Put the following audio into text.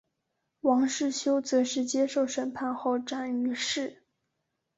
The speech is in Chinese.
王世修则是接受审判后斩于市。